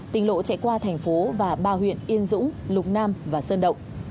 tỉnh lộ chạy qua thành phố và ba huyện yên dũng lục nam và sơn động